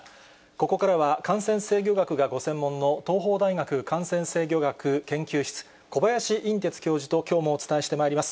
ここからは、感染制御学がご専門の東邦大学感染制御学研究室、小林寅てつ教授ときょうもお伝えしてまいります。